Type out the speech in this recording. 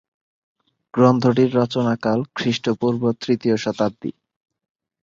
গ্রন্থটির রচনাকাল খ্রিস্টপূর্ব তৃতীয় শতাব্দী।